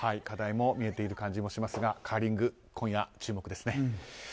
課題も見えている感じもしますが、カーリング今夜、注目ですね。